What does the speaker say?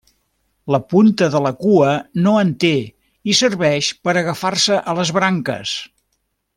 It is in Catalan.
La punta de la cua no en té i serveix per agafar-se a les branques.